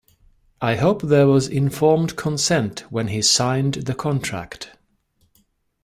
I hope there was informed consent when he signed the contract.